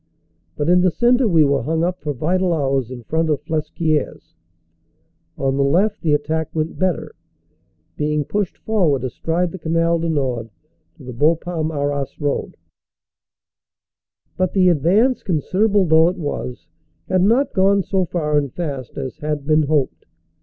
But in the centre we were hung up for vital hours in front of Flesquieres. On the left the attack went better, being pushed forward astride the Canal du Nord to the Bapaume Arras road. THE FIRST BATTLE OF CAMBRAI 199 But the advance, considerable though it was, had not gone so far and fast as had been hoped.